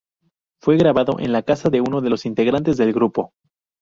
Fue grabado en la casa de uno de los integrantes del grupo.